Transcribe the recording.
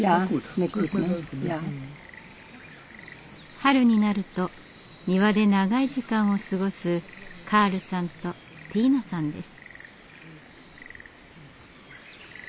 春になると庭で長い時間を過ごすカールさんとティーナさんです。